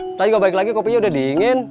kita juga balik lagi kopinya udah dingin